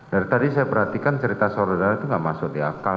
dari tadi saya perhatikan cerita saudara itu tidak masuk di akal